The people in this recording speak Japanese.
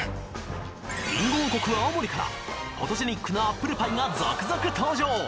りんご王国・青森からフォトジェニックなアップルパイが続々登場！